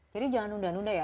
jadi jangan unda unda ya